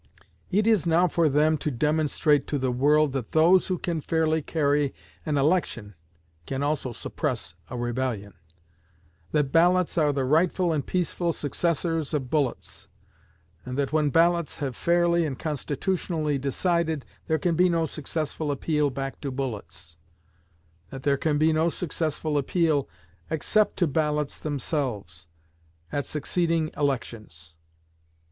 It is now for them to demonstrate to the world that those who can fairly carry an election can also suppress a rebellion; that ballots are the rightful and peaceful successors of bullets; and that when ballots have fairly and constitutionally decided, there can be no successful appeal back to bullets; that there can be no successful appeal, except to ballots themselves, at succeeding elections.